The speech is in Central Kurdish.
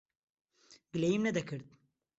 گلەییم نەدەکرد.